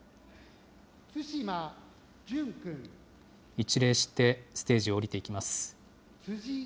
一礼して、ステージを下りていきます。